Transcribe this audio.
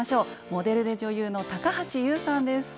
モデルで女優の高橋ユウさんです。